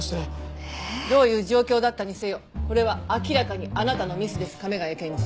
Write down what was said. ええ？どういう状況だったにせよこれは明らかにあなたのミスです亀ヶ谷検事。